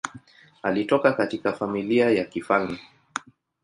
Alitoka katika familia ya kifalme.